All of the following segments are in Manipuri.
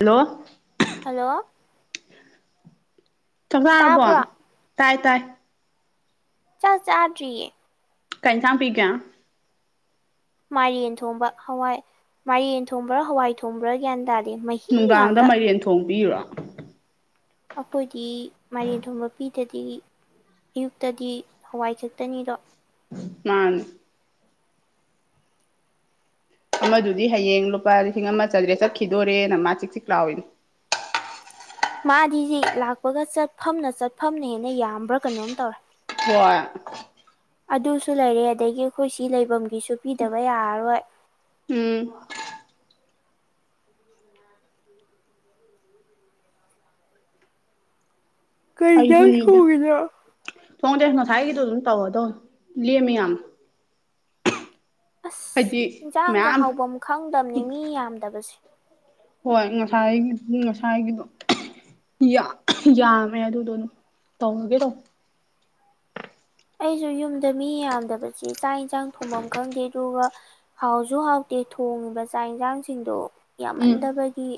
ꯍꯜꯂꯣ ꯍꯜꯂꯣ ꯆꯥꯛ ꯆꯥꯔꯕꯣ ꯇꯥꯕ꯭ꯔꯣ ꯇꯥꯏ ꯇꯥꯏ ꯆꯥꯛ ꯆꯥꯗꯔꯤꯌꯦ ꯀꯩ ꯏꯟꯁꯥꯡ ꯄꯤꯒꯦ ꯃꯥꯏꯔꯦꯜ ꯊꯣꯡꯕ ꯍꯋꯥꯏ ꯃꯥꯏꯔꯦꯟ ꯊꯣꯡꯕ꯭ꯔꯥ ꯍꯋꯥꯏ ꯊꯣꯡꯕ꯭ꯔꯥ ꯒ꯭ꯌꯥꯟ ꯇꯥꯗꯦ ꯃꯍꯤ ꯅꯨꯡꯗꯥꯡꯗ ꯉꯥꯛꯇ ꯃꯥꯏꯔꯦꯟ ꯊꯣꯡꯕꯤꯔꯣ ꯑꯩꯈꯣꯏꯗꯤ ꯃꯥꯏꯔꯦꯟ ꯊꯣꯡꯕ ꯄꯤꯗꯗꯤ ꯑꯌꯨꯛꯇꯗꯤ ꯍꯋꯥꯏ ꯈꯛꯇꯅꯤꯗꯣ ꯃꯥꯅꯤ ꯑꯃꯗꯨꯗꯤ ꯍꯌꯦꯡ ꯂꯨꯄꯥ ꯂꯤꯁꯤꯡ ꯑꯃ ꯆꯗ꯭ꯔꯦ ꯆꯠꯈꯤꯗꯣꯔꯦꯅ ꯃꯥ ꯆꯤꯛ ꯆꯤꯛ ꯂꯥꯎꯏꯅꯦ [inaudible] ꯃꯥꯗꯤꯖꯤ ꯂꯥꯛꯄꯒ ꯆꯠꯐꯝꯅ ꯆꯠꯐꯝꯅ ꯍꯦꯅ ꯌꯥꯝꯕ꯭ꯔꯥ ꯀꯩꯅꯣꯝ ꯇꯧꯔꯦ ꯍꯣꯏ ꯑꯗꯨꯁꯨ ꯂꯩꯔꯦ ꯑꯗꯒꯤ ꯑꯩꯈꯣꯏ ꯁꯤ ꯂꯩꯐꯝ ꯁꯨ ꯄꯤꯗꯕ ꯌꯥꯔꯔꯣꯏ ꯎꯝ ꯀꯩ ꯏꯟꯖꯥꯡ ꯑꯩꯁꯨꯅꯤ ꯏꯕꯦꯝ ꯊꯣꯡꯉꯤꯅꯣ ꯊꯣꯡꯗꯦ ꯉꯁꯥꯏꯒꯤꯗꯣ ꯑꯗꯨꯝ ꯇꯧꯔꯗꯣꯅꯤ ꯂꯦꯝꯃꯤ ꯌꯥꯝ ꯑꯁ ꯍꯥꯏꯗꯤ ꯌꯦꯟꯁꯥꯡꯒ ꯃꯌꯥꯝ ꯍꯥꯎꯐꯝ ꯈꯪꯗꯕꯅꯤ ꯃꯤ ꯌꯥꯝꯗꯕꯁꯦ ꯍꯣꯏ ꯉꯁꯥꯏꯒꯤ ꯉꯁꯥꯏꯒꯤꯗꯣ ꯌꯥꯝꯃꯦ ꯑꯗꯨꯗꯣ ꯇꯧꯒꯦ ꯇꯧꯅꯦ ꯑꯩꯁꯨ ꯌꯨꯝꯗ ꯃꯤ ꯌꯥꯝꯗꯕꯁꯦ ꯆꯥꯛ ꯏꯟꯁꯥꯡ ꯊꯣꯡꯐꯝ ꯈꯪꯗꯦ ꯑꯗꯨꯒ ꯍꯥꯎꯁꯨ ꯍꯥꯎ ꯇꯦ ꯊꯣꯡꯉꯤꯕ ꯆꯥꯛ ꯌꯦꯟꯁꯥꯡꯁꯤꯡꯗꯣ ꯎꯝ ꯌꯥꯝꯃꯟꯗꯕꯒꯤꯡ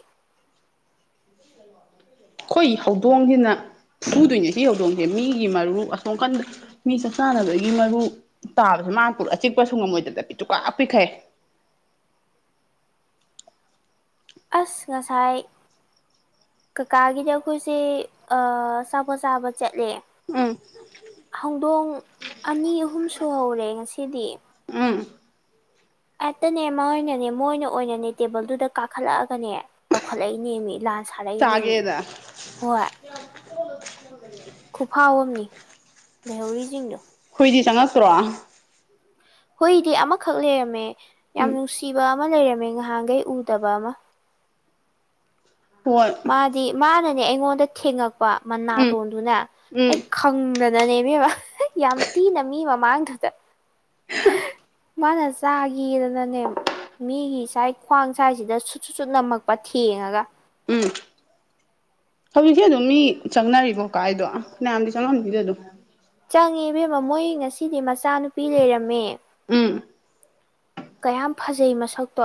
ꯑꯩꯈꯣꯏ ꯍꯧꯗꯣꯡꯁꯤꯅ ꯐꯨꯗꯣꯏꯅꯦ ꯁꯤ ꯍꯧꯗꯣꯡꯁꯦ ꯃꯤꯒꯤ ꯃꯔꯨ ꯑꯁꯣꯝ ꯀꯟꯗ ꯃꯤ ꯆꯥꯛ ꯆꯥꯅꯕꯒꯤ ꯃꯔꯨ ꯇꯥꯕꯗ ꯃꯥꯄꯨꯔꯛꯑ ꯆꯤꯛꯄꯁꯨ ꯉꯝꯃꯣꯏꯗꯕꯗ ꯄꯤꯇꯨꯀꯥ ꯄꯤꯛꯈꯩ [inaudible] ꯑꯁ ꯉꯁꯥꯏ ꯀꯥꯀꯥꯒꯤꯗ ꯑꯩꯈꯣꯏꯁꯦ ꯑꯥ ꯆꯥꯄꯣꯠ ꯆꯥꯕ ꯆꯠꯂꯦ ꯎꯝ ꯍꯧꯗꯣꯡ ꯑꯅꯤ ꯑꯍꯨꯝ ꯁꯨꯍꯧꯔꯦ ꯉꯁꯤꯗꯤ ꯎꯝ ꯍꯦꯛꯇꯅꯦ ꯃꯣꯏꯅꯅꯦ ꯃꯣꯏꯅ ꯑꯣꯏꯅꯅꯦ ꯇꯦꯕꯜꯗꯨꯗ ꯀꯥꯈꯠꯂꯛꯑꯒꯅꯦ ꯇꯧꯈꯠꯂꯛꯏꯅꯦ ꯃꯤ ꯂꯥꯟ ꯁꯥꯔꯛꯏꯅꯦꯃꯤ ꯆꯥꯒꯦꯗ ꯍꯣꯏ ꯈꯨꯐꯥꯎꯑꯝꯅꯤ ꯂꯩꯍꯧꯔꯤꯁꯤꯡꯗꯣ ꯍꯨꯏꯗꯤ ꯆꯪꯉꯛꯇ꯭ꯔꯣ ꯍꯨꯏꯗꯤ ꯑꯃꯈꯛ ꯂꯩꯔꯝꯃꯦ ꯌꯥꯝ ꯎꯝ ꯅꯨꯡꯁꯤꯕ ꯑꯃ ꯂꯩꯔꯝꯃꯦ ꯉꯍꯥꯟꯈꯩ ꯎꯗꯕ ꯑꯃ ꯍꯣꯏ ꯃꯥꯗꯤ ꯃꯥꯅꯅꯦ ꯑꯩꯉꯣꯟꯗ ꯊꯦꯡꯉꯛꯄ ꯎꯝ ꯃꯅꯥꯇꯣꯟꯗꯨꯅꯦ ꯎꯝ ꯑꯩ ꯈꯪꯅ ꯏꯕꯦꯝꯃ ꯌꯥꯝ ꯇꯤꯅ ꯃꯤ ꯃꯃꯥꯡꯗꯨꯗ ꯃꯥꯅ ꯆꯥꯒꯦꯗꯅꯅꯦ ꯃꯤꯒꯤ ꯁꯥꯏ ꯈ꯭ꯋꯥꯡ ꯁꯥꯏꯁꯤꯗ ꯁꯨꯠ ꯁꯨꯆꯠ ꯅꯝꯃꯛꯄ ꯊꯦꯡꯉꯒ ꯍꯧꯖꯤꯛꯁꯨ ꯑꯗꯨꯝ ꯃꯤ ꯆꯪꯅꯔꯤꯕꯣ ꯀꯥꯏꯗꯣ ꯃꯌꯥꯝꯗꯤ ꯆꯪꯉꯝꯃꯤꯗ ꯑꯗꯨꯝ ꯆꯪꯉꯦ ꯏꯕꯦꯝꯃ ꯃꯣꯏ ꯉꯁꯤꯗꯤ ꯃꯆꯥꯅꯨꯄꯤ ꯂꯩꯔꯝꯃꯦ ꯎꯝ ꯀꯌꯥꯝ ꯐꯖꯩ ꯃꯁꯛꯇꯣ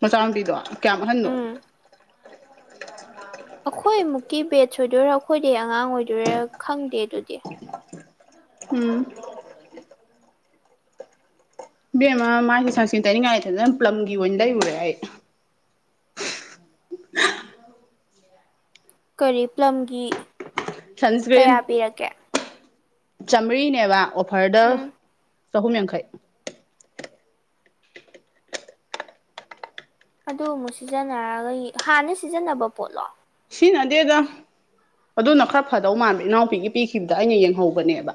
ꯃꯆꯥ ꯃꯨꯄꯤꯗꯣ ꯀꯌꯥꯝꯑꯟꯅꯣ ꯑꯩꯈꯣꯏꯃꯨꯛꯀꯤ ꯕꯦꯠꯁ ꯑꯣꯏꯗꯣꯏꯔꯥ ꯑꯩꯈꯣꯏꯗꯤꯩ ꯑꯉꯥꯡ ꯑꯣꯏꯗꯣꯏꯔꯥ ꯈꯪꯗꯦ ꯑꯗꯨꯗꯤ ꯎꯝ ꯏꯕꯦꯝꯃ ꯃꯥꯏꯒꯤ ꯁꯟꯁꯀꯔꯤꯟ ꯇꯩꯅꯤꯡꯉꯉꯥꯏ ꯂꯩꯇꯗꯅ ꯄ꯭ꯝꯂꯒꯤ ꯑꯣꯟꯅ ꯂꯩ ꯎꯔꯦ ꯑꯩ ꯀꯔꯤ ꯄꯂꯝꯒꯤ ꯀꯌꯥ ꯄꯤꯔꯛꯒꯦ ꯆꯥꯝꯃ꯭ꯔꯤꯅꯦꯕ ꯑꯣꯐꯔꯗ ꯎꯝ ꯆꯍꯨꯝ ꯌꯥꯡꯈꯩ ꯑꯗꯨ ꯑꯃꯨꯛ ꯁꯤꯖꯤꯟꯅꯔꯒ ꯍꯥꯟꯅ ꯗꯩ ꯁꯤꯖꯤꯟꯅꯕ ꯄꯣꯠꯂꯣ ꯁꯤꯖꯤꯟꯅꯗꯦꯗ ꯑꯗꯨꯅ ꯈꯔ ꯐꯗꯧ ꯃꯥꯟꯕ ꯏꯅꯥꯎꯄꯤꯒꯤ ꯄꯤꯈꯤꯕꯗ ꯑꯩꯅ ꯌꯦꯡꯍꯧꯕꯅꯦꯕ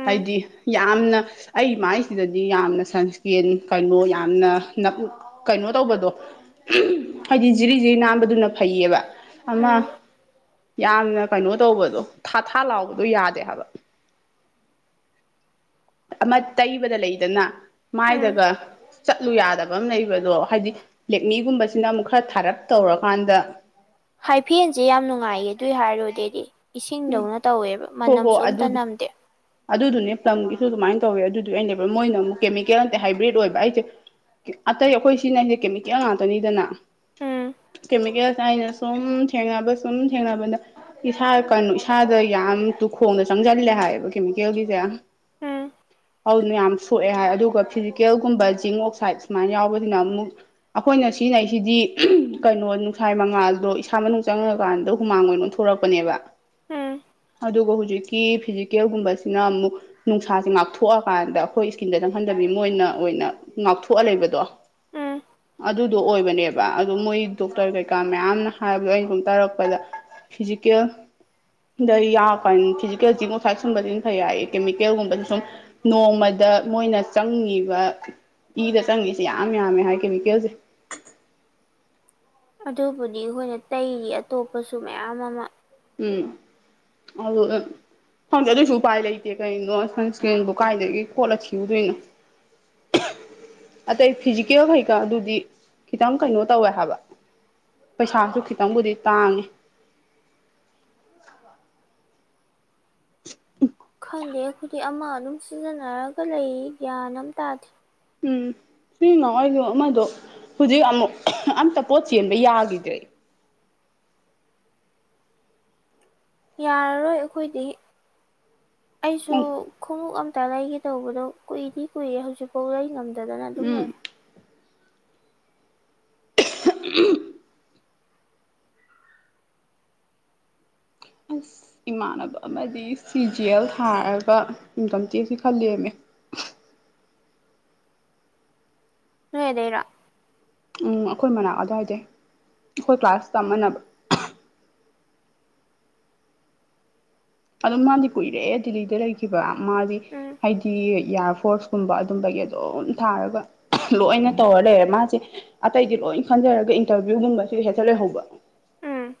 ꯎꯝ ꯍꯥꯏꯗꯤ ꯌꯥꯝꯅ ꯑꯩ ꯃꯥꯏꯁꯤꯗꯗꯤ ꯌꯥꯝꯅ ꯁꯟꯁꯀ꯭ꯔꯤꯟ ꯀꯩꯅꯣ ꯌꯥꯝꯅ ꯀꯩꯅꯣ ꯇꯧꯕꯗꯣ ꯍꯥꯏꯗꯤ ꯖꯤꯔꯤ ꯖꯤꯔꯤ ꯅꯥꯟꯕꯗꯨꯅ ꯐꯩꯌꯦꯕ ꯑꯃ ꯎꯝ ꯌꯥꯝꯅ ꯀꯩꯅꯣ ꯇꯧꯕꯗꯣ ꯊꯥ ꯊꯥ ꯂꯥꯎꯕꯗꯣ ꯌꯥꯗꯦ ꯍꯥꯏꯕ [inaudible] ꯑꯃ ꯇꯩꯕꯗ ꯂꯩꯗꯅ ꯎꯝ ꯃꯥꯏꯗꯒ ꯆꯠꯂꯨ ꯌꯥꯗꯕ ꯑꯃ ꯂꯩꯕꯗꯣ ꯍꯥꯏꯗꯤ ꯂꯦꯛꯃꯤꯒꯨꯝꯕꯁꯤꯅ ꯑꯃꯨꯛ ꯈꯔ ꯊꯥꯔꯞ ꯇꯧꯔꯀꯥꯟꯗ ꯍꯥꯏꯐꯦꯟꯁꯦ ꯌꯥꯝ ꯅꯨꯡꯉꯥꯏꯌꯦ ꯑꯗꯨꯏ ꯍꯥꯏꯔꯣꯗꯤ ꯑꯩꯗꯤ ꯎꯝ ꯏꯁꯤꯡꯗꯧꯅ ꯇꯧꯋꯦꯕ ꯍꯣ ꯍꯣ ꯃꯅꯝꯁꯨ ꯑꯝꯇ ꯑꯗꯨ ꯅꯝꯗꯦ ꯑꯗꯨꯗꯨꯅꯦ ꯄ꯭ꯂꯝꯒꯤꯁꯨ ꯑꯗꯨꯃꯥꯏꯅ ꯇꯧꯋꯦ ꯑꯗꯨꯗꯤ ꯑꯅꯦꯕ ꯃꯣꯏꯅ ꯑꯃꯨꯛ ꯀꯦꯃꯤꯀꯦꯜ ꯅꯇꯦ ꯍꯥꯏꯕ꯭ꯔꯤꯠ ꯑꯣꯏꯕ ꯑꯩꯁꯦ ꯑꯇꯩ ꯑꯩꯈꯣꯏ ꯁꯤꯅꯗꯤ ꯀꯦꯃꯤꯀꯦꯜ ꯉꯥꯛꯇꯅꯤꯗꯅ ꯎꯝ ꯀꯦꯃꯤꯀꯦꯜꯁ ꯑꯅ ꯁꯨꯝ ꯊꯦꯡꯅꯕ ꯁꯨꯝ ꯊꯦꯡꯅꯕꯗ ꯏꯁꯥ ꯀꯣ ꯏꯁꯥꯗ ꯌꯥꯝ ꯇꯨꯈꯣꯡꯗ ꯆꯪꯁꯤꯜꯂꯦ ꯍꯥꯏꯌꯦꯕ ꯀꯦꯃꯤꯀꯦꯜꯒꯤꯁꯦ [inaudible] ꯍꯧꯅ ꯌꯥꯝ ꯁꯣꯛꯑꯦ ꯍꯥꯏ ꯑꯗꯨꯒ ꯐꯤꯖꯤꯀꯦꯜꯒꯨꯝꯕ ꯖꯤꯡ ꯑꯣꯛꯁꯥꯏꯠ ꯁꯨꯃꯥꯏꯅ ꯌꯥꯎꯕꯕꯁꯤꯅ ꯑꯃꯨꯛ ꯑꯩꯈꯣꯏꯅ ꯁꯤꯅ ꯑꯩꯁꯤꯗꯤ ꯀꯩꯅꯣ ꯅꯨꯡꯁꯥꯏ ꯃꯉꯥꯜꯗꯣ ꯏꯁꯥ ꯃꯅꯨꯡ ꯆꯪꯉꯀꯥꯟꯗ ꯍꯨꯃꯥꯡ ꯑꯣꯏꯅ ꯑꯣꯟꯊꯣꯔꯛꯄꯅꯦꯕ ꯎꯝ ꯑꯗꯨꯒ ꯍꯧꯖꯤꯛꯀꯤ ꯐꯤꯖꯤꯀꯦꯜꯒꯨꯝꯕꯁꯤꯅ ꯑꯃꯨꯛ ꯅꯨꯡꯁꯥꯁꯦ ꯉꯥꯛꯊꯣꯛꯑꯀꯥꯟꯗ ꯑꯩꯈꯣꯏ ꯏꯁꯀꯤꯟꯗ ꯆꯪ ꯆꯪꯍꯟꯗꯕꯤ ꯃꯣꯏꯅ ꯑꯣꯏꯅ ꯉꯥꯛꯊꯣꯛꯑ ꯂꯩꯕꯗꯣ ꯎꯝ ꯑꯗꯨꯗꯣ ꯑꯣꯏꯕꯅꯦꯕ ꯑꯗꯨ ꯃꯣꯏ ꯗꯣꯛꯇꯔ ꯀꯩꯀꯥ ꯃꯌꯥꯝꯅ ꯍꯥꯏꯕꯗꯣ ꯑꯩꯅ ꯁꯨꯝ ꯇꯥꯔꯛꯄꯗ ꯐꯤꯖꯤꯀꯦꯜ ꯗ ꯌꯥꯀꯥꯟ ꯐꯤꯖꯤꯀꯦꯜ ꯖꯤꯡ ꯑꯣꯛꯁꯥꯏꯠ ꯀꯨꯝꯕꯁꯤꯅ ꯐꯩ ꯍꯥꯏꯌꯦ ꯀꯦꯃꯤꯀꯦꯜꯒꯨꯝꯕꯁꯦ ꯁꯨꯝ ꯅꯣꯡꯃꯗ ꯗ ꯃꯣꯏꯅ ꯆꯪꯉꯤꯕ ꯏꯗ ꯆꯪꯉꯤꯁꯤ ꯌꯥꯝ ꯌꯥꯝꯃꯦ ꯍꯥꯏ ꯀꯦꯃꯤ ꯀꯦꯜꯁꯦ ꯑꯗꯨꯕꯨꯗꯤ ꯑꯩꯈꯣꯏꯅ ꯇꯩꯔꯤ ꯑꯇꯣꯞꯄꯁꯨ ꯃꯌꯥꯝ ꯑꯃ ꯎꯝ ꯑꯗꯨꯒꯥ ꯍꯪꯗꯦ ꯑꯗꯨꯑꯣꯏꯁꯨ ꯎꯄꯥꯏ ꯂꯩꯇꯦ ꯀꯩꯅꯣ ꯁꯟꯁꯀ꯭ꯔꯤꯟꯕꯨ ꯀꯥꯏꯗꯒꯤ ꯀꯣꯠꯂ ꯊꯤꯔꯨꯗꯣꯏꯅꯣ ꯑꯇꯩ ꯐꯤꯖꯤꯀꯦꯜ ꯀꯩꯀꯥ ꯑꯗꯨꯗꯤ ꯈꯤꯇꯪ ꯀꯩꯅꯣ ꯇꯧꯋꯦ ꯍꯥꯏꯕ ꯄꯩꯁꯥꯁꯨ ꯈꯤꯇꯪꯕꯨꯗꯤ ꯇꯥꯡꯉꯦ ꯎ ꯈꯪꯗꯦ ꯑꯩꯈꯣꯏꯗꯤ ꯑꯃ ꯑꯗꯨꯝ ꯁꯤꯖꯤꯟꯅꯔꯒ ꯂꯩ ꯒ꯭ꯌꯥꯟ ꯑꯃ ꯇꯥꯗꯦ ꯎꯝ [unintelligible] ꯑꯃꯗꯣ ꯍꯧꯖꯤꯛ ꯑꯃꯨꯛ ꯑꯝꯇ ꯄꯣꯠ ꯆꯦꯟꯕ ꯌꯥꯒꯤꯗ꯭ꯔꯦ [unintelligible] ꯌꯥꯔꯔꯣꯏ ꯑꯩꯈꯣꯏꯗꯤ ꯑꯩꯁꯨ ꯎꯝ ꯈꯣꯡꯎꯞ ꯑꯃ ꯇ ꯂꯩꯒꯤ ꯇꯧꯕꯗꯣ ꯀꯨꯏꯗꯤ ꯀꯨꯏꯌꯦ ꯍꯧꯖꯤꯛꯐꯥꯎ ꯂꯩ ꯉꯝꯗꯗꯅ ꯑꯗꯨꯝ ꯎꯝ ꯂꯩ [unintelligible] ꯑꯁ ꯏꯃꯥꯟꯅꯕ ꯑꯃꯗꯤ ꯁꯤ ꯖꯤ ꯑꯦꯜ ꯊꯥꯔꯒ ꯏꯟꯀꯝ ꯇꯦꯛꯁꯀꯤ ꯈꯜꯂꯦꯝꯃꯦ [unintelligible] ꯅꯣꯏ ꯑꯗꯩꯔꯣ ꯎꯝ ꯑꯩꯈꯣꯏ ꯃꯅꯥꯛ ꯑꯗ꯭ꯋꯥꯏꯗꯩ ꯑꯩꯈꯣꯏ ꯀ꯭ꯂꯥꯁ ꯇꯝꯃꯅꯕ ꯑꯗꯨꯝ ꯃꯥꯗꯤ ꯀꯨꯏꯔꯦ ꯗꯤꯜꯂꯤꯗ ꯂꯩꯈꯤꯕ ꯃꯥꯗꯤ ꯎꯝ ꯍꯥꯏꯗꯤ ꯏꯌꯥꯔ ꯐꯣꯔꯁꯀꯨꯝꯕ ꯑꯗꯨꯝꯕꯩ ꯑꯗꯨꯝ ꯊꯥꯔꯒ ꯂꯣꯏꯅ ꯇꯧꯔ ꯂꯩꯔꯦ ꯃꯥꯁꯦ ꯑꯇꯩꯗꯤ ꯂꯣꯏ ꯈꯟꯖꯔꯒ ꯏꯟꯇꯔꯚꯤꯌꯨ ꯒꯨꯝꯕꯁꯤ ꯍꯦꯛꯇꯥ ꯂꯩꯍꯧꯕ ꯎꯝ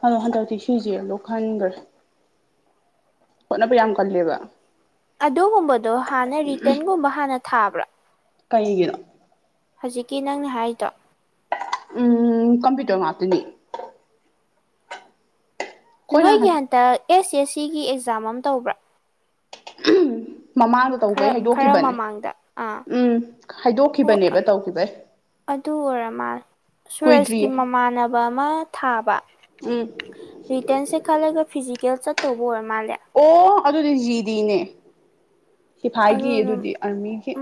ꯈꯜꯂꯣ ꯍꯟꯗꯛꯇꯤ ꯁꯤ ꯖꯤ ꯑꯗꯨꯝ ꯈꯟꯒ꯭ꯔꯦ ꯍꯣꯠꯅꯕ ꯌꯥꯝꯀꯜꯂꯦꯕꯥ ꯑꯗꯨꯒꯨꯝꯕꯗꯣ ꯍꯥꯟꯅꯥ ꯔꯤꯇꯟꯒꯨꯝꯕ ꯍꯥꯟꯅ ꯊꯥꯕ꯭ꯔꯥ ꯀꯩ ꯒꯤꯅꯣ ꯍꯧꯖꯤꯛꯀꯤ ꯅꯪꯅꯍꯥꯏꯔꯤꯗꯣ ꯎꯪ ꯎꯪ ꯀꯝꯄ꯭ꯌꯨꯇꯔ ꯉꯥꯇꯅꯦ ꯅꯣꯏꯒꯤ ꯍꯟꯇꯛ ꯑꯦꯁ ꯑꯦꯁ ꯁꯤꯒꯤ ꯑꯦꯛꯖꯥꯝ ꯑꯃ ꯇꯧꯕ꯭ꯔꯥ INAUDIBLE ꯃꯃꯥꯡꯗꯇꯧꯕꯩ ꯈꯔ ꯈꯔ ꯍꯩꯗꯣꯛꯈꯤꯕꯅꯦ ꯃꯃꯥꯡꯗ ꯑꯥ ꯎꯝ ꯍꯥꯏꯗꯣꯛꯈꯤꯕꯅꯦꯕ ꯇꯧꯈꯤꯕꯩ ꯑꯥꯗꯨ ꯑꯣꯏꯔ ꯃꯥꯜꯂꯦ ꯁꯨꯔꯖꯀꯤ ꯀꯨꯏꯗ꯭ꯔꯤꯌꯦ ꯃꯃꯥꯟꯅꯕ ꯑꯃ ꯊꯥꯕ ꯎꯝ ꯔꯤꯇꯟꯁ ꯈꯜꯂꯒ ꯐꯤꯖꯤꯀꯦꯜꯆꯠꯇꯧꯕ ꯑꯣꯏꯔ ꯃꯥꯜꯂꯦ ꯑꯣ ꯑꯗꯨꯗꯤ ꯖꯤꯗꯤꯅꯦ ꯁꯤꯐꯥꯏꯒꯤ ꯑꯗꯨꯗꯤ ꯑꯥꯔꯃꯤꯒꯤꯏ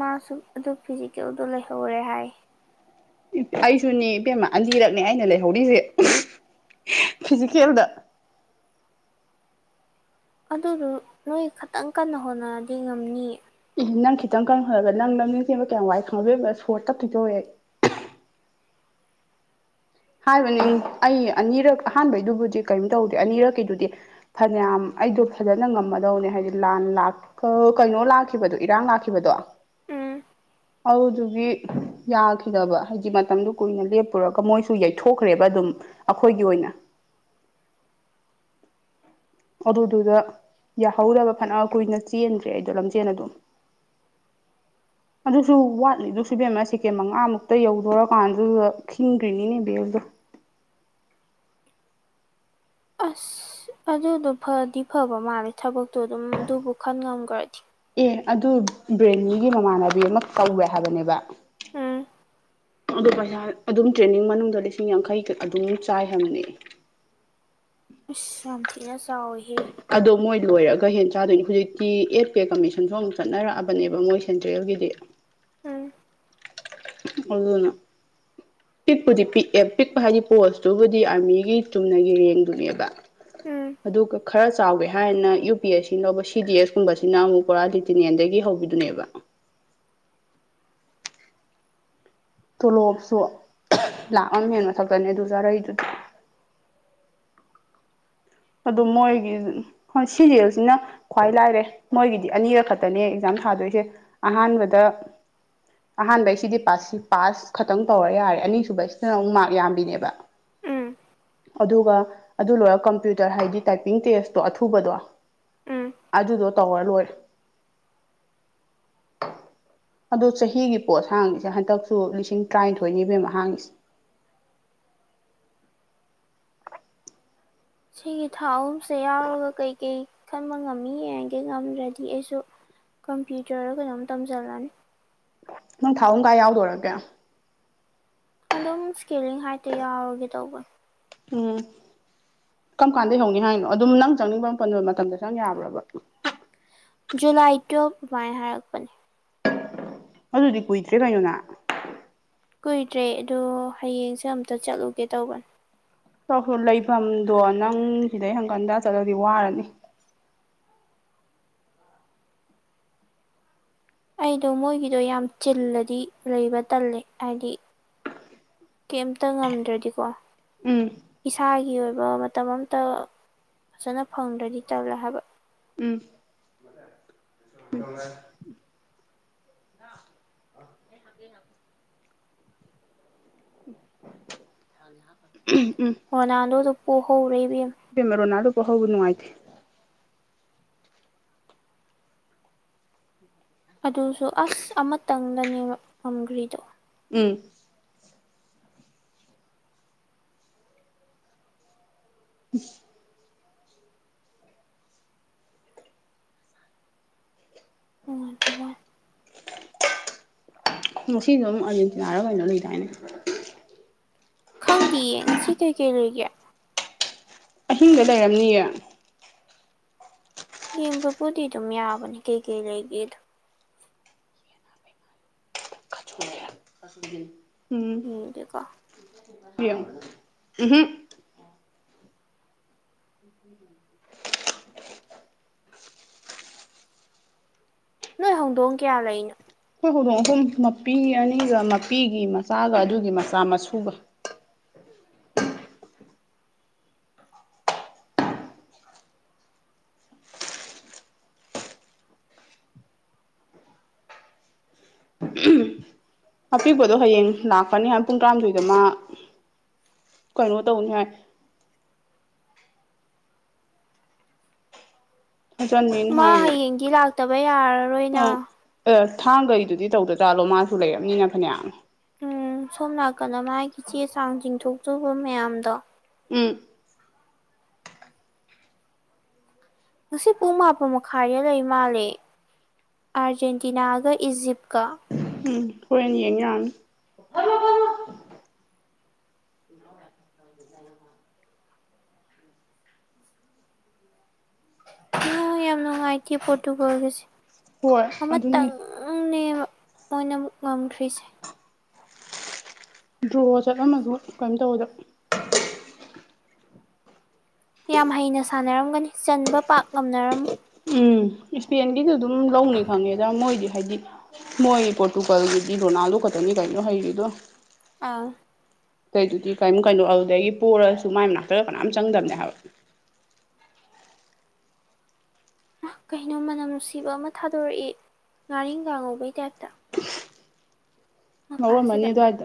ꯑꯗꯨꯐꯤꯖꯤꯀꯦꯜꯗꯣ ꯂꯩꯍꯧꯔꯦ ꯍꯥꯏ ꯑꯩꯗꯨꯅꯦ ꯏꯕꯦꯝꯃ ꯑꯅꯤꯔꯛꯅꯦ ꯑꯩꯅ ꯂꯩꯍꯧꯔꯤꯖꯦ ꯐꯤ ꯖꯤꯀꯦꯜꯗ ꯑꯗꯨꯗꯨ ꯅꯣꯏ ꯈꯇꯪꯀꯟꯅꯥ ꯍꯣꯠꯅꯔꯗꯤ ꯉꯝꯅꯤꯌꯦ ꯅꯪꯈꯤꯇꯪ ꯀꯟꯅ ꯍꯣꯠꯅꯕ ꯅꯪ ꯂꯝꯖꯦꯜꯆꯦꯟꯕ ꯀꯌꯥꯝꯋꯥꯏ ꯈꯪꯕ꯭ꯔꯥ ꯁꯣꯔꯒ ꯇꯠꯇꯣꯢ-ꯇꯧꯋꯦ ꯍꯥꯏꯕꯅꯤ ꯑꯩ ꯑꯅꯤꯔꯛ ꯑꯍꯥꯟꯕꯩꯗꯨꯕꯨꯗꯤ ꯀꯩꯝ ꯇꯧꯗꯦ ꯑꯅꯤꯔꯛꯀꯤꯗꯨꯗꯤ ꯐꯅꯌꯥꯝ ꯑꯩꯗꯣ ꯐꯖꯅ ꯉꯝꯃꯗꯧꯅꯦ ꯍꯥꯏꯗꯤ ꯂꯥꯟꯂꯥꯛꯀ ꯀꯩꯅꯣ ꯂꯥꯛꯈꯤꯕꯗꯣ ꯏꯔꯥꯡ ꯂꯥꯛꯈꯤꯕꯗꯣ ꯎꯪ ꯑꯧꯗꯨꯗꯨꯒꯤ ꯌꯥꯈꯤꯗꯕꯥ ꯍꯥꯏꯗꯤ ꯃꯇꯝꯗꯨ ꯀꯨꯏꯅ ꯂꯦꯞꯄꯨꯔꯒ ꯃꯣꯏꯁꯨ ꯌꯩꯊꯣꯛꯈ꯭ꯔꯦꯕꯥ ꯑꯗꯨꯝ ꯑꯩꯈꯣꯏꯒꯤꯑꯣꯏꯅ ꯑꯗꯨꯗꯨꯗ ꯌꯥꯍꯧꯗꯕ ꯐꯅꯀꯨꯏꯅ ꯆꯦꯟꯈ꯭ꯔꯦ ꯑꯩꯗꯣ ꯂꯝꯖꯦꯜ ꯑꯗꯨꯝ INAUDIBLE ꯑꯗꯨꯖꯨ ꯋꯥꯠꯂꯤꯗꯨꯖꯨ ꯏꯕꯦꯝꯃ ꯁꯦꯀꯦꯟ ꯃꯉꯥꯃꯨꯛꯇ ꯌꯧꯗꯣꯔꯀꯥꯟꯗꯨꯗ ꯈꯤꯡꯒ꯭ꯔꯤꯅꯤꯅꯦ ꯕꯦꯜꯗꯣ INAUDIBLE ꯑꯥꯁ ꯑꯗꯨꯗꯣ ꯐꯗꯤ-ꯐꯕ ꯃꯥꯜꯂꯦ ꯊꯕꯛꯇꯣ ꯑꯗꯨꯝ ꯑꯗꯨꯕꯨ ꯈꯟꯉꯝꯒ꯭ꯔꯗꯤ ꯑꯦ ꯑꯗꯨ ꯕ꯭ꯔꯦꯟꯂꯤꯒꯤ ꯃꯃꯥꯟꯅꯕꯤ ꯑꯃ ꯀꯧꯋꯦ ꯍꯥꯏꯕꯅꯦꯕ ꯎꯝ ꯑꯗꯣ ꯄꯩꯁꯥ ꯑꯗꯨꯝ ꯇ꯭ꯔꯦꯟꯅꯤꯡ ꯃꯅꯨꯡꯗ ꯂꯤꯁꯤꯡ ꯌꯥꯡꯈꯩ ꯀꯥ ꯑꯗꯨꯝ ꯆꯥꯌ ꯍꯥꯏꯕꯅꯦ ꯏꯁ ꯌꯥꯝ ꯊꯤꯅꯥꯆꯥꯎꯋꯦ ꯑꯗꯣꯃꯣꯏ ꯂꯣꯏꯔꯒ ꯍꯦꯟꯅ ꯆꯥꯗꯣꯏꯅꯤ ꯍꯧꯖꯤꯛꯇꯤ ꯑꯦꯠ ꯄꯦ ꯀꯃꯤꯁꯟꯗꯨ ꯑꯃꯨꯛ ꯆꯠꯅꯔꯛꯑꯕꯅꯦꯕ ꯃꯣꯏ ꯁꯦꯟꯇ꯭ꯔꯦꯜꯒꯤꯗꯤ ꯎꯝ ꯑꯣꯗꯨꯅ ꯄꯤꯛꯄꯨꯗꯤ-ꯄꯤꯛꯑꯦ ꯄꯤꯛꯄ ꯍꯥꯏꯗꯤ ꯄꯣꯁꯇꯨꯕꯨꯗꯤ ꯑꯥꯔꯃꯤꯒꯤ ꯆꯨꯝꯅꯒꯤꯔꯦꯡꯗꯨꯅꯦꯕ ꯎꯝ ꯑꯥꯗꯨꯒ ꯈꯔ ꯆꯥꯎꯒꯦ ꯍꯥꯏꯅ ꯌꯨ ꯄꯤ ꯑꯦꯁ ꯁꯤꯅ ꯂꯧꯕ ꯁꯤ ꯗꯤ ꯑꯦꯁ ꯀꯨꯝꯕꯁꯤꯅ ꯑꯃꯨꯛ ꯀꯣꯔꯥ ꯇꯤꯗꯤꯅꯤꯜꯗꯒꯤ ꯍꯧꯕꯤꯗꯨꯅꯦꯕ INAUDIBLE ꯇꯣ ꯂꯣꯞꯁꯨ ꯂꯥꯛꯑꯝ ꯍꯦꯟ ꯃꯊꯛꯇꯅꯦ ꯑꯗꯨ ꯆꯥꯔꯥꯛꯢꯗꯨ INAUDIBLE ꯑꯗꯨ ꯃꯣꯏꯒꯤ ꯍꯣꯌ ꯁꯤ ꯗꯤ ꯑꯦꯁꯁꯤꯅ ꯈ꯭ꯋꯥꯏ ꯂꯥꯏꯔꯦ ꯃꯣꯏꯒꯤꯗꯤ ꯑꯅꯤꯔꯛ ꯈꯛꯇꯅꯦ ꯑꯦꯛꯖꯥꯝ ꯊꯥꯗꯣꯏꯖꯦ ꯑꯍꯥꯟꯕꯗ ꯑꯍꯥꯟꯕꯩꯁꯤꯗꯤꯥ ꯄꯥꯁꯤꯡ ꯄꯥꯁ ꯄꯥꯁꯈꯛꯇꯪ ꯇꯧꯔ ꯌꯥꯔꯦ ꯑꯅꯤꯁꯨꯕꯩꯁꯤꯗꯅ ꯑꯃꯨꯛ ꯃꯥꯔꯛ ꯌꯥꯝꯕꯤꯅꯦꯕ INAUDIBLE ꯑꯗꯨꯒꯥ ꯑꯗꯨ ꯂꯣꯏꯔꯒ ꯀꯝꯄ꯭ꯌꯨꯇꯔ ꯍꯥꯏꯗꯤ ꯇꯥꯏꯄꯤꯡꯇꯦꯁꯇꯣ ꯑꯊꯨꯕꯗꯣ ꯎꯝ ꯑꯥꯗꯨꯗꯣ ꯇꯧꯔꯂꯣꯏꯔꯦ [unintelligible] ꯑꯗꯣ ꯆꯍꯤꯒꯤ ꯄꯣꯠ ꯍꯥꯡꯉꯤꯁꯦ ꯍꯟꯗꯛꯁꯨ ꯂꯤꯁꯤꯡ ꯇꯔꯥꯅꯤꯊꯣꯏꯅꯤ ꯢꯕꯦꯝꯃ ꯍꯥꯡꯉꯤꯁꯦ [unintelligible] ꯁꯤꯒꯤ ꯊꯥ ꯑꯍꯨꯝꯁꯦ ꯌꯥꯎꯔꯒ ꯀꯩꯀꯩ ꯈꯟꯕ ꯉꯝꯃꯤ ꯌꯦꯡꯒꯦ ꯉꯝꯗ꯭ꯔꯗꯤ ꯑꯩꯁꯨ ꯀꯝꯄ꯭ꯌꯨꯇꯔ ꯔ ꯀꯩꯅꯣꯝ ꯇꯝꯁꯤꯜꯂꯅꯤ ꯅꯪ ꯊꯥꯍꯨꯝ ꯀ ꯌꯥꯎꯗꯨꯏꯔꯣ ꯑꯗꯨꯗꯤ ꯑꯗꯨꯝ ꯏꯁꯀꯦꯂꯤꯡ ꯍꯥꯏꯗ ꯌꯥꯎꯔꯒꯦ ꯇꯧꯕ ꯎꯝ ꯀꯔꯝ ꯀꯥꯟꯗꯩ ꯍꯧꯅꯤ ꯍꯥꯏꯅꯣ ꯑꯗꯨꯝ ꯅꯪ ꯆꯪꯅꯤꯡꯕ ꯃꯇꯝꯗ ꯆꯪ ꯌꯥꯕ꯭ꯔꯕ ꯖꯨꯂꯥꯏ ꯇꯨꯌꯦꯞ ꯑꯗꯨꯃꯥꯏ ꯍꯥꯏꯔꯛꯄꯅꯦ ꯑꯗꯨꯗꯤ ꯀꯨꯏꯗ꯭ꯔꯦ ꯀꯩꯅꯣ ꯅꯪ ꯀꯨꯏꯗ꯭ꯔꯦ ꯑꯗꯣ ꯍꯌꯦꯡꯁꯦ ꯑꯝꯇ ꯆꯠꯂꯨꯒꯦ ꯇꯧꯕꯅꯦ ꯂꯩꯐꯝꯗꯣ ꯅꯪ ꯁꯤꯗꯩ ꯍꯪꯀꯟꯗ ꯆꯠꯂꯗꯤ ꯋꯥꯔꯅꯤ ꯑꯩꯗꯣ ꯃꯣꯏꯒꯤꯗꯣ ꯌꯥꯝ ꯆꯤꯜꯂꯗꯤ ꯂꯩꯕ ꯇꯜꯂꯦ ꯍꯥꯏꯗꯤ ꯀꯩꯝꯇ ꯉꯝꯗ꯭ꯔꯗꯤꯀꯣ ꯎꯝ ꯏꯁꯥꯒꯤ ꯑꯣꯏꯕ ꯃꯇꯝ ꯑꯝꯇ ꯐꯖꯅ ꯐꯪꯗ꯭ꯔꯗꯤ ꯇꯜꯂꯦ ꯍꯥꯏꯕ ꯎꯝ [unintelligible] [unintelligible] [unintelligible] ꯔꯣꯅꯥꯟꯗꯣ ꯗꯨ ꯄꯣ ꯍꯧꯔꯦ ꯏꯕꯦꯝꯃ ꯔꯣꯅꯥꯜꯗꯣ ꯄꯣꯍꯧꯕ ꯅꯨꯉꯥꯢꯇꯦ ꯑꯗꯨꯁꯨ ꯑꯁ ꯑꯃꯇꯪꯗꯅꯦꯕ ꯉꯝꯈ꯭ꯔꯤꯗꯣ ꯎꯝ [unintelligible] ꯅꯨꯉꯥꯢꯇꯕ ꯋꯥꯅꯦ ꯉꯁꯤꯁꯨ ꯑꯃꯨꯛ ꯑꯔꯖꯦꯟꯇꯤꯅꯥꯔ ꯀꯩꯅꯣꯝ ꯂꯩꯗꯥꯏꯅꯦ ꯈꯪꯗꯤꯌꯦ ꯉꯁꯤ ꯀꯩꯀꯩ ꯂꯩꯒꯦ ꯑꯍꯤꯡꯗ ꯂꯩꯔꯝꯅꯤꯌꯦ ꯌꯦꯡꯕꯄꯨꯨꯗꯤ ꯑꯗꯨꯝ ꯌꯥꯕꯅꯤ ꯀꯩ ꯀꯩ ꯂꯩꯏꯒꯦꯗꯨ [unintelligible] ꯌꯦꯡꯒꯦꯀꯣ ꯌꯦꯡꯉꯣ ꯎꯝꯍꯨꯝ [unintelligible] ꯅꯣꯏ ꯍꯧꯗꯣꯡ ꯀꯌꯥ ꯂꯩꯅꯣ ꯑꯩꯈꯣꯏ ꯍꯧꯗꯣꯡ ꯑꯍꯨꯝ ꯃꯄꯤ ꯑꯅꯤꯒ ꯃꯄꯤꯒꯤ ꯃꯆꯥꯒ ꯑꯗꯨꯒꯤ ꯃꯆꯥ ꯃꯁꯨꯒ ꯑꯄꯤꯛꯄꯗꯣ ꯍꯌꯦꯡ ꯂꯥꯛꯀꯅꯤ ꯍꯥꯏ ꯄꯨꯡ ꯇꯔꯥꯃꯊꯣꯏꯗ ꯃꯥ ꯀꯩꯅꯣ ꯇꯧꯅꯤ ꯍꯥꯏ ꯑꯆꯥꯟꯕꯤ ꯍꯣꯢꯅ ꯃꯥ ꯍꯥꯢꯕ ꯅꯦ ꯍꯌꯦꯡꯗꯤ ꯂꯥꯛꯇꯕ ꯑꯣ ꯌꯥꯔꯔꯣꯏꯅ ꯑꯦ ꯊꯥꯡ ꯒꯥꯩꯗꯨꯗꯤ ꯇꯧꯗꯖꯥꯠꯂꯣ ꯃꯥꯁꯨ ꯂꯩꯔꯝꯅꯤꯅ ꯐꯅꯌꯥꯝ ꯎꯝ ꯁꯣꯝ ꯅꯥꯀꯟꯗ ꯃꯥꯒꯤ ꯆꯦ ꯆꯥꯡ ꯆꯤꯡꯊꯣꯛꯇꯕ ꯃꯌꯥꯝꯗꯣ ꯎꯝ ꯉꯁꯤ ꯄꯨꯡ ꯃꯥꯄꯟ ꯃꯈꯥꯏꯗ ꯂꯩꯃꯥꯜꯂꯦ ꯑꯥꯔꯖꯦꯟꯇꯤꯅꯥꯒ ꯏꯖꯤꯞ ꯎꯝ ꯍꯣꯔꯦꯟ ꯌꯦꯡ ꯌꯥꯔꯅꯤ [unintelligible] ꯑꯥ ꯌꯥꯝ ꯅꯨꯡꯉꯥꯏꯇꯦ ꯄꯣꯔꯇꯨꯒꯜꯁꯦ ꯍꯣꯏ ꯑꯗꯨꯅꯤ ꯑꯃꯇꯪꯅꯦ ꯕ ꯃꯣꯏꯅ ꯉꯝꯈ꯭ꯔꯤꯁꯦ ꯗ꯭ꯔꯣ ꯆꯠꯂꯝꯃꯁꯨ ꯀꯩꯝ ꯇꯧꯕꯗ ꯌꯥꯝ ꯍꯩꯅ ꯁꯥꯟꯅꯔꯝꯒꯅꯤ ꯆꯟꯕ ꯄꯥꯛ ꯉꯝꯅꯔꯝꯃꯣꯏ ꯎꯝ ꯏꯁꯄꯦꯟꯒꯤꯁꯗꯤ ꯑꯗꯨꯝ ꯂꯧꯅꯤ ꯈꯪꯉꯦꯗ ꯃꯣꯏꯗꯤ ꯍꯥꯏꯗꯤ ꯃꯣꯏ ꯄꯣꯔꯇꯨꯒꯜꯒꯤꯗꯤ ꯔꯣ ꯅꯥꯥꯜꯗꯣ ꯈꯛꯇꯅꯤ ꯀꯩꯅꯣ ꯍꯩꯔꯤꯗꯣ ꯑꯥ ꯇꯩꯗꯨꯗꯤ ꯀꯩꯝ ꯀꯩꯅꯣ ꯑꯗꯨꯗꯒꯤ ꯄꯣꯔꯁꯨ ꯃꯥꯏ ꯅꯥꯛꯇꯒ ꯀꯅꯥꯝ ꯆꯪꯗꯝꯅꯦ ꯍꯥꯏꯕ ꯀꯩꯅꯣ ꯃꯅꯝ ꯅꯨꯡꯁꯤꯕ ꯑꯃ ꯊꯥꯗꯣꯔꯛꯏ ꯉꯥꯔꯤꯟꯈꯥ ꯉꯧꯕꯩ ꯇꯥꯏꯞꯇ ꯉꯧꯔꯝꯃꯅꯤ ꯃꯄꯥꯟꯁꯤꯗ ꯑꯗꯨꯋꯥꯏꯗ